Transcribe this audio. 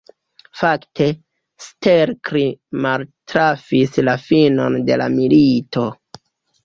Fakte, Stelkri maltrafis la finon de la milito.